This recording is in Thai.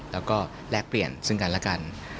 แล้วก็แลกเปลี่ยนซึ่งกันและกัน